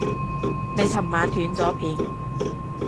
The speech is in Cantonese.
你尋晚斷咗片